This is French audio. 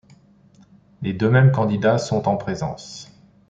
Les deux mêmes candidats sont en présence.